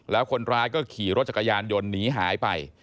แล้วคนร้ายก็ขี่รถจักรยานยนต์หนีหายไป